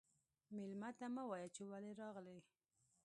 مېلمه ته مه وايه چې ولې راغلې.